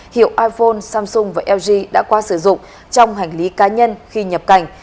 hiệu iphone samsung và lg đã qua sử dụng trong hành lý cá nhân khi nhập cảnh